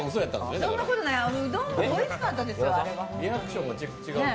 そんなことない、うどんもおいしかったですよ。